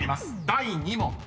第２問］